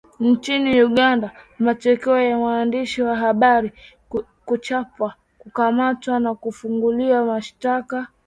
Nchini Uganda matokeo ya waandishi wa Habari kuchapwa kukamatwa na kufunguliwa mashtaka